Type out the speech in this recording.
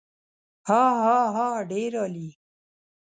هاهاها ډېر عالي.